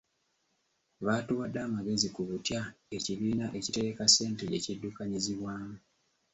Baatuwadde amagezi ku butya ekibiina ekitereka ssente gye kiddukanyizibwamu.